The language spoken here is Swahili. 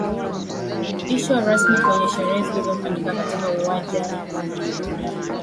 ishwa rasmi kwenye sherehe zilizofanyika katika uwaja wa amani